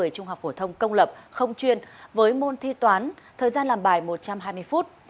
trung học phổ thông công lập không chuyên với môn thi toán thời gian làm bài một trăm hai mươi phút